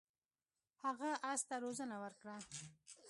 هغه اس ته روزنه ورکړه.